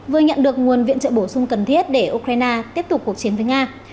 vừa nhận được nguồn viện trợ bổ sung cần thiết để ukraine tiếp tục cuộc chiến với nga